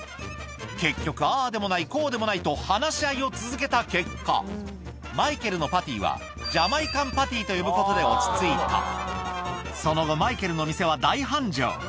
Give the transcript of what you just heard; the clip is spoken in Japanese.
結局ああでもないこうでもないと話し合いを続けた結果マイケルのパティはと呼ぶことで落ち着いたその後マイケルの店は大繁盛